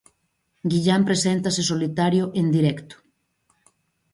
Guillán preséntase solitario en directo.